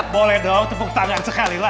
boleh dong tepuk tangan sekali lah